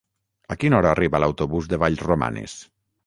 A quina hora arriba l'autobús de Vallromanes?